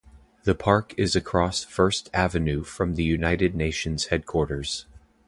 The park is across First Avenue from the United Nations headquarters.